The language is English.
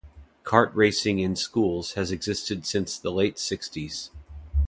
Kart racing in schools has existed since the late sixties.